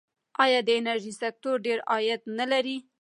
آیا د انرژۍ سکتور ډیر عاید نلري؟